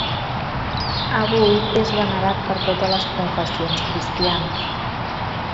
Avui és venerat per totes les confessions cristianes.